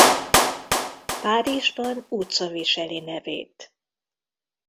Párizsban utca viseli nevét.